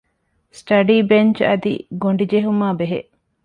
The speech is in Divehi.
ސްޓަޑީ ބެންޗް އަދި ގޮޑި ޖެހުމާއި ބެހޭ